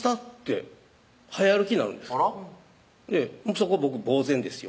そこ僕呆然ですよ